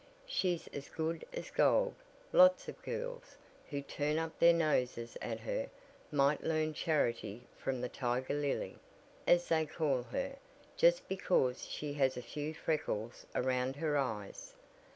She's as good as gold. Lots of girls, who turn up their noses at her, might learn charity from the Tiger Lily, as they call her, just because she has a few freckles around her eyes.